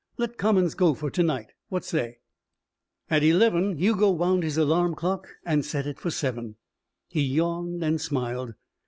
Let commons go for to night. What say?" At eleven Hugo wound his alarm clock and set it for seven. He yawned and smiled.